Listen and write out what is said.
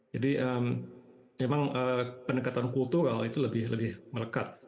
jadi memang pendekatan kultural itu lebih melekat